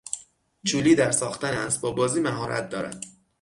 جولی در ساختن اسباب بازی مهارت دارد.